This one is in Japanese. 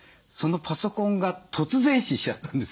そのパソコンが突然死しちゃったんです。